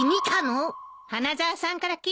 花沢さんから聞いたのよ。